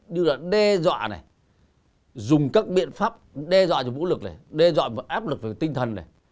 như là đe dọa này dùng các biện pháp đe dọa về vũ lực này đe dọa áp lực về tinh thần này